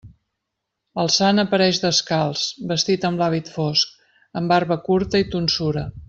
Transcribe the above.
El sant apareix descalç, vestit amb l'hàbit fosc, amb barba curta i tonsura.